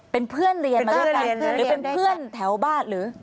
เป็นเพื่อนเรียนหรือสถานีที่การเรียน